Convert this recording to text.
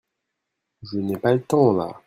Je n'ai pas le temps là.